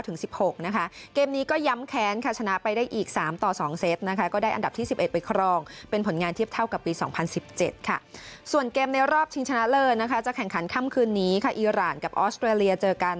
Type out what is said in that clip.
เรื่องของเทคนิคแทคติกที่เราวางไว้มากน้อยขนาดนี้